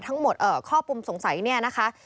ทั้งหมดข้อปุ่มสงสัยเนี่ยนะคะ